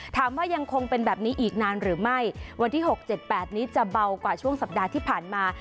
ยังคงเป็นแบบนี้อีกนานหรือไม่วันที่๖๗๘นี้จะเบากว่าช่วงสัปดาห์ที่ผ่านมา